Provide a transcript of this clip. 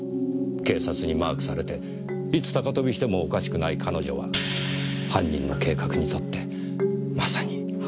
警察にマークされていつ高飛びしてもおかしくない彼女は犯人の計画にとってまさに適役だったのでしょう。